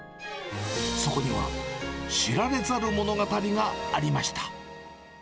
そこには、知られざる物語がありました。